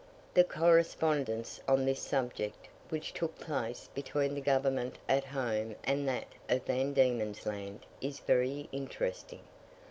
The correspondence on this subject, which took place between the government at home and that of Van Diemen's Land, is very interesting.